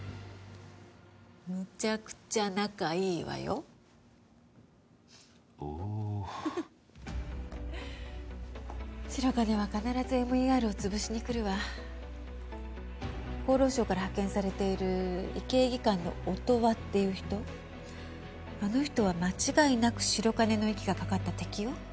むちゃくちゃ仲いいわよおお白金は必ずＭＥＲをつぶしに来るわ厚労省から派遣されている医系技官の音羽っていう人あの人は間違いなく白金の息がかかった敵よ